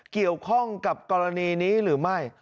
เกี่ยวข้องกับกรณีนี้หรือไม่